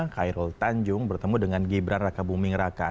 khairul tanjung bertemu dengan gibran raka buming raka